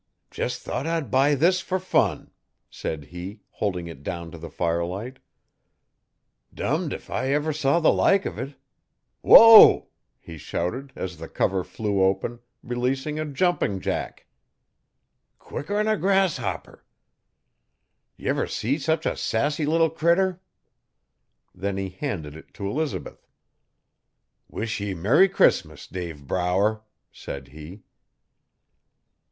'Jes' thought I'd buy this fer fun,' said he, holding it down to the firelight. 'Dummed if I ever see the like uv it. Whoa!' he shouted, as the cover flew open, releasing a jumping jack. 'Quicker n a grasshopper! D'ye ever see sech a sassy little critter? Then he handed it to Elizabeth. 'Wish ye Merry Christmas, Dave Brower!' said he.